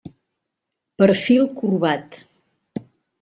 Perfil corbat.